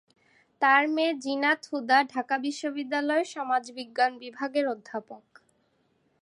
তার মেয়ে জিনাত হুদা ঢাকা বিশ্ববিদ্যালয়ের সমাজবিজ্ঞান বিভাগের অধ্যাপক।